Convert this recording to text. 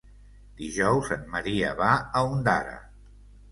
Dijous en Maria va a Ondara.